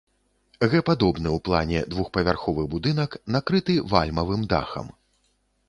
Г-падобны ў плане двухпавярховы будынак накрыты вальмавым дахам.